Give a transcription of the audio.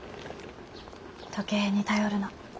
時計に頼るな。